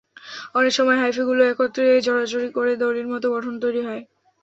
অনেক সময় হাইফিগুলো একত্রে জড়াজড়ি করে দড়ির মতো গঠন তৈরি করে।